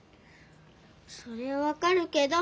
そりゃわかるけど。